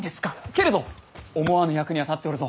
けれど思わぬ役には立っておるぞ。